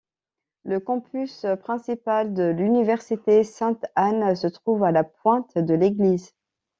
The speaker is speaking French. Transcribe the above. Le campus principal de l'Université Sainte-Anne se trouve à la Pointe-de-l'Église.